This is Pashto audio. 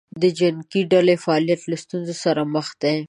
د جنګې ډلې فعالیت له ستونزې سره مخ کېږي.